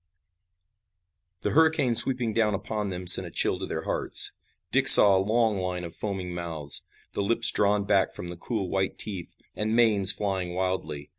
The hurricane sweeping down upon them sent a chill to their hearts. Dick saw a long line of foaming mouths, the lips drawn back from the cruel white teeth, and manes flying wildly.